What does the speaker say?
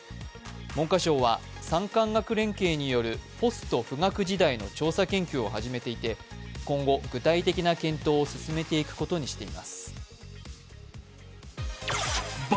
文科省は産官学連携によるポスト富岳時代の調査研究を始めていて今後、具体的な検討を進めていくことにしています。